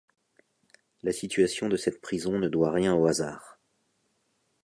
La situation de cette prison ne doit rien au hasard.